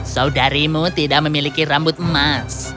saudarimu tidak memiliki rambut emas